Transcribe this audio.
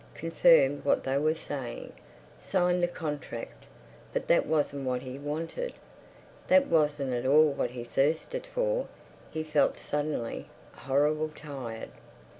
—confirmed what they were saying, signed the contract. But that wasn't what he wanted; that wasn't at all what he thirsted for. He felt suddenly, horrible tired.